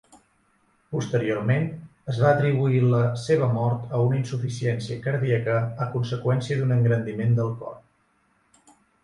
Posteriorment, es va atribuir la seva mort a una insuficiència cardíaca a conseqüència d'un engrandiment del cor.